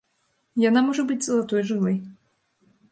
Яна можа быць залатой жылай.